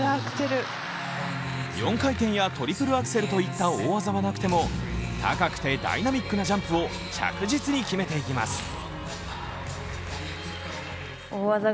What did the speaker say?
４回転やトリプルアクセルといった大技はなくても高くてダイナミックなジャンプを着実に決めていきます。